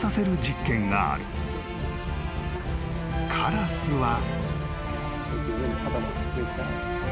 ［カラスは］